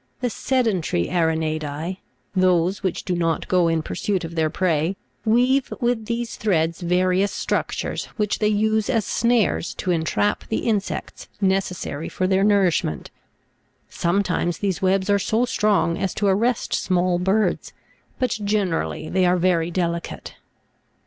The sedentary Aranei'daB (those which do not go in pursuit of their prey) weave with these threads various structures which they use as snares to entrap the insects necessary for their nourishment; sometimes these webs are so strong as to arrest small birds, but generally they are very delicate.